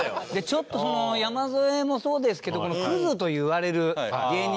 ちょっと山添もそうですけどクズといわれる芸人の人たちが。